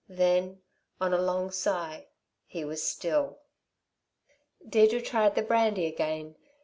Then, on a long sigh, he was still. Deirdre tried the brandy again.